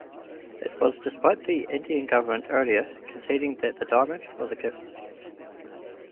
It was despite the Indian Government earlier conceding that the diamond was a gift.